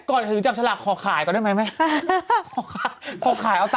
ก่อนถึงจับฉลากขอขายก่อนด้วยไหมแม่ขอขายต่อ